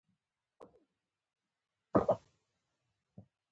غمونه او دردونه ډېرو خلکو ته بدلون وربښي.